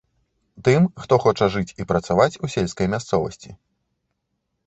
Тым, хто хоча жыць і працаваць у сельскай мясцовасці.